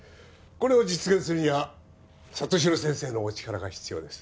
これを実現するには里城先生のお力が必要です